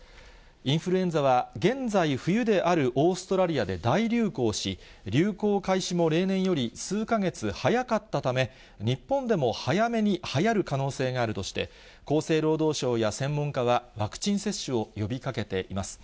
インフルエンザは現在、冬であるオーストラリアで大流行し、流行開始も例年より数か月早かったため、日本でも早めにはやる可能性があるとして、厚生労働省や専門家は、ワクチン接種を呼びかけています。